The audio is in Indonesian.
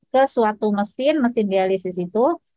ke suatu mesin mesin dialisis itu